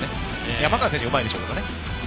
山川選手はうまいんでしょうけど。